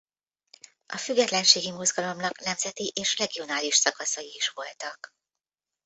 A függetlenségi mozgalomnak nemzeti és regionális szakaszai is voltak.